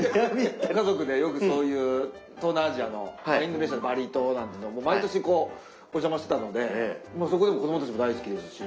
家族でよくそういう東南アジアのインドネシアのバリ島なんてのも毎年お邪魔してたのでそこでも子供たちも大好きですし。